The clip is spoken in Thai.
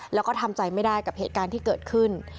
แล้วก็ทำใจไม่ได้กับเหตุการณ์ที่เกิดขึ้น